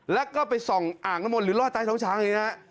แล้วก็ไปส่องอ่างน้ำมนต์หรือรอดใต้ท้องช้างอย่างนี้นะฮะ